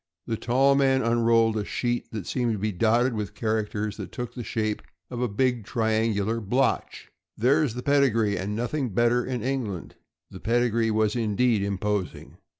Here the tall man unrolled a sheet that seemed to be dotted with characters that took the shape of a big triangular blotch. " There's the pedigree, and nothing better in England." The pedigree was indeed imposing.